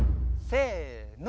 せの。